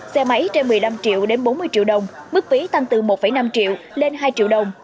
xe máy trên một mươi năm triệu đến bốn mươi triệu đồng mức phí tăng từ một năm triệu lên hai triệu đồng